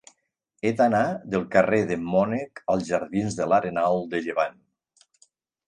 He d'anar del carrer d'en Mònec als jardins de l'Arenal de Llevant.